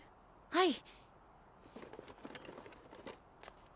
はい。